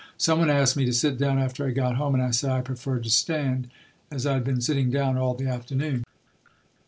Some one asked me to sit down after I got home and I said I preferred to stand, as I had been sitting down all the afternoon!